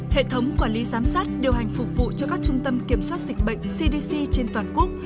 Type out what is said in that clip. hệ thống quản lý giám sát điều hành phục vụ cho các trung tâm kiểm soát dịch bệnh cdc trên toàn quốc